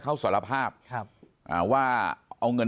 ปากกับภาคภูมิ